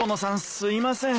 すいません